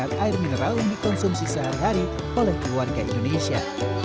jadi pilihan sehat air mineral yang dikonsumsi sehari hari oleh keluarga indonesia